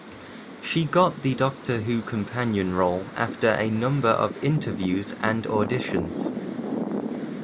She got the Doctor Who companion role after a number of interviews and auditions.